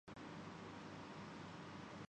دوسروں کا فائدہ اٹھاتا ہوں